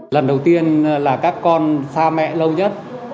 lần đầu tiên là các con xa mẹ lâu nhất